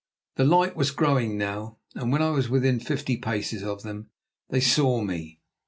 The light was growing now, and when I was within fifty paces of them they saw me.